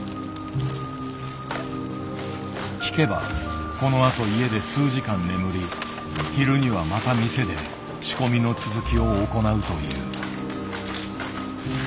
聞けばこのあと家で数時間眠り昼にはまた店で仕込みの続きを行うという。